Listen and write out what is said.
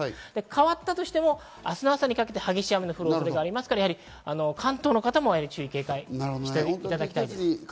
変わったとしても、明日の朝にかけて激しい雨の降る恐れがありますから関東の方も注意・警戒が必要です。